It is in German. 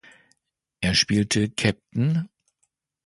Er spielte "Cpt.